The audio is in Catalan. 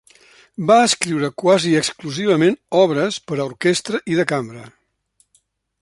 Va escriure quasi exclusivament obres per a orquestra i de cambra.